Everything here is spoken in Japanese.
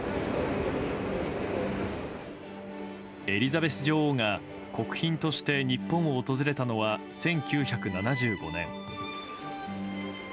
エリザベス女王が国賓として日本を訪れたのは１９７５年。